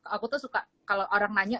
aku tuh suka kalau orang nanya